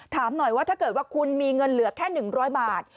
ถามหน่อยว่าถ้าเกิดว่าคุณมีเงินเหลือแค่๑๐๐บาท